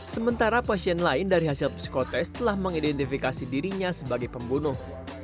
sementara pasien lain dari hasil psikotest telah mengidentifikasi dirinya sebagai pembunuh